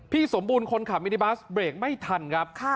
สมบูรณ์คนขับมินิบัสเบรกไม่ทันครับ